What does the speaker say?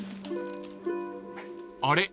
［あれ？